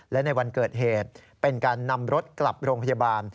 และในวันเกิดเหตุเป็นการนำรถกลับโรงพยาบาล